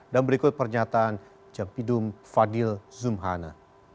dan berikut pernyataan jepimdum fadil zumhana